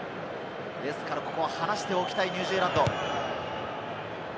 ここは離しておきたいニュージーランド。